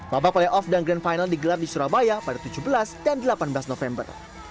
babak playoff dan grand final digelar di surabaya pada tujuh belas dan delapan belas november